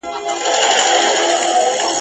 خپل پوستين به يې د غلو په لاس كي لوېږي !.